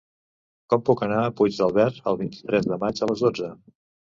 Com puc anar a Puigdàlber el vint-i-tres de maig a les dotze?